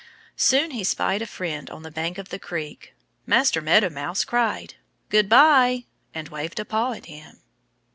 Soon he spied a friend on the bank of the creek. Master Meadow Mouse cried, "Good by!" and waved a paw at him.